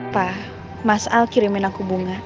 pak mas al kirimin aku bunga